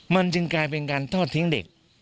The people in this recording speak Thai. มันจึงกลายเป็นการทอดทิ้งเด็ก